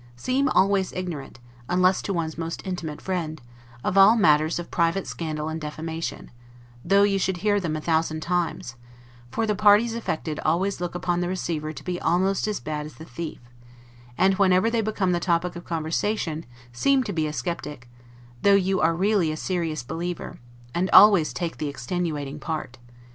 Seem always ignorant (unless to one's most intimate friend) of all matters of private scandal and defamation, though you should hear them a thousand times; for the parties affected always look upon the receiver to be almost as bad as the thief: and, whenever they become the topic of conversation seem to be a skeptic, though you are really a serious believer; and always take the extenuating part.